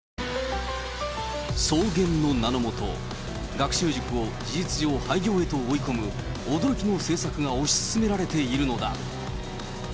双減の名の下、学習塾を事実上、廃業へと追い込む驚きの政策が推し進められているのだ。